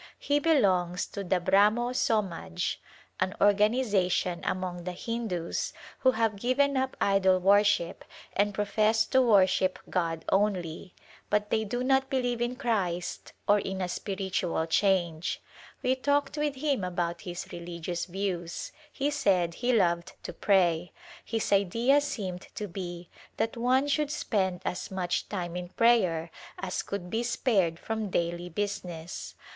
He belongs to the Brahmo Somaj — an organization among the Hindus who have given up idol worship and profess to worship God only, but they do not believe in Christ or in a spiritual change. We talked with him about his religious views. He said he loved to pray ; his idea seemed to be that one should spend as much time in prayer as could be spared from daily business.